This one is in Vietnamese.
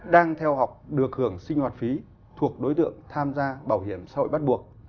đang theo học được hưởng sinh hoạt phí thuộc đối tượng tham gia bảo hiểm xã hội bắt buộc